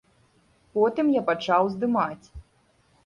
Потым я пачаў здымаць.